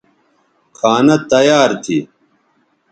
کھانہ تیار تھی